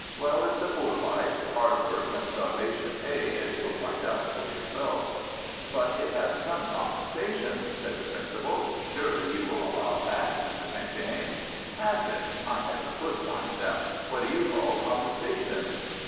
"Well, it's a poor life: hard work and starvation pay, as you'll find out for yourself." "But it has some compensations," said the principal. "Surely you will allow that, Mr. St. James?" "Has it? I never could find them. What do you call compensations?"